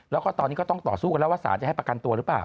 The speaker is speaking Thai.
แล้วก็ตอนนี้ก็ต้องต่อสู้กันแล้วว่าสารจะให้ประกันตัวหรือเปล่า